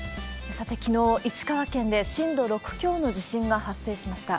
さて、きのう、石川県で震度６強の地震が発生しました。